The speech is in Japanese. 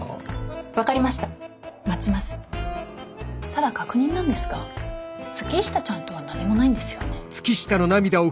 ただ確認なんですが月下ちゃんとは何もないんですよね？